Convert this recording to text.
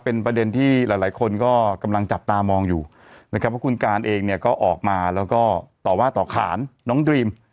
เป็นประเด็นที่หลายหลายคนก็กำลังจับตามองอยู่นะครับว่าคุณการเองเนี่ยก็ออกมาแล้วก็ต่อว่าต่อขานน้องดรีม